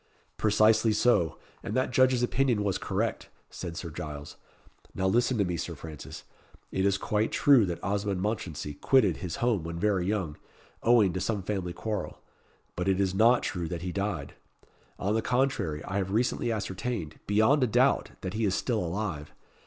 "Precisely so, and that judge's opinion was correct," said Sir Giles. "Now listen to me, Sir Francis. It is quite true that Osmond Mounchensey quitted his home when very young, owing to some family quarrel; but it is not true that he died. On the contrary, I have recently ascertained, beyond a doubt, that he is still alive.